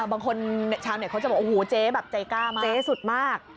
บางคนชาวเน็ตเขาจะบอกโอ้โหเจ๊แบบใจกล้ามากเจ๊สุดมาก